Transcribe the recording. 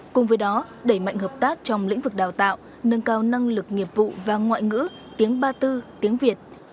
cùng với đó đẩy mạnh hợp tác trong lĩnh vực đào tạo nâng cao năng lực nghiệp vụ và ngoại ngữ tiếng ba tư tiếng việt